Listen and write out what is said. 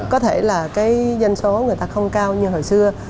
có thể là cái dân số người ta không cao như hồi xưa